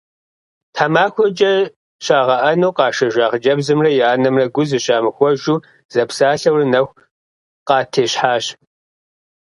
Тхьэмахуэкӏэ щагъэӏэну къашэжа хъыджэбзымрэ и анэмрэ гу зыщамыхуэжу зэпсалъэурэ нэху къатещхьащ.